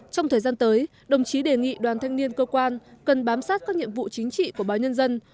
trong thời gian tới đồng chí đề nghị đoàn thanh niên cơ quan cần bám sát các nhiệm vụ chính trị của báo nhân dân